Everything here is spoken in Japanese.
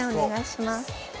お願いします。